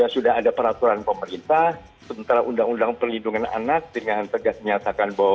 sudah ada peraturan pemerintah sementara undang undang perlindungan anak dengan tegas menyatakan bahwa